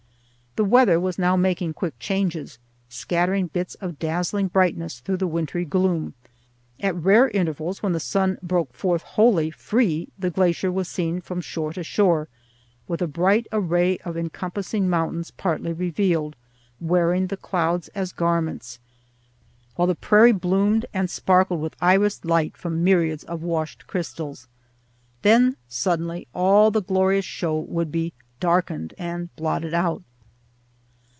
The weather was now making quick changes, scattering bits of dazzling brightness through the wintry gloom; at rare intervals, when the sun broke forth wholly free, the glacier was seen from shore to shore with a bright array of encompassing mountains partly revealed, wearing the clouds as garments, while the prairie bloomed and sparkled with irised light from myriads of washed crystals. Then suddenly all the glorious show would be darkened and blotted out.